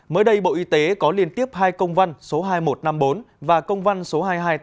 mới đây bộ y tế có liên tiếp hai công văn số hai nghìn một trăm năm mươi bốn và công văn số hai nghìn hai trăm tám mươi